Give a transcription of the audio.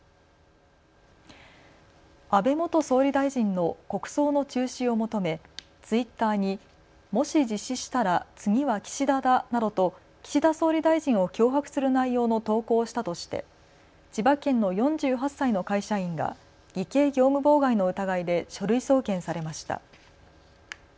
安倍元総理大臣の国葬の中止を求め、ツイッターにもし実施したら次は岸田だなどと岸田総理大臣を脅迫する内容の投稿をしたとして千葉県の４８歳の会社員が偽計業務妨害の疑いで書類送検されました。